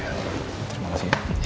dan jangan lupa like subscribe dan share ya